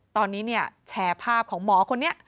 ตอนนี้แชร์ภาพของหมอคนนี้